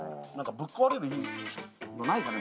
ぶっ壊れるのないかね